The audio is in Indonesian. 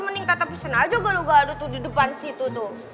mending tata pesen aja galuh galuh tuh di depan situ tuh